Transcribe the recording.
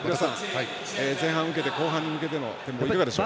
前半受けて後半への展望いかがでしょう？